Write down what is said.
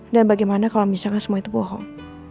dan bagaimana kalau misalnya semua itu bohong